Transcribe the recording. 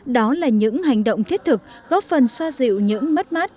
đó là những hành động thiết thực góp phần xoa dịu những mất mát